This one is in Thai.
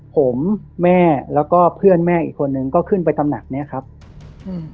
ผมแม่แล้วก็เพื่อนแม่อีกคนนึงก็ขึ้นไปตำหนักเนี้ยครับอืม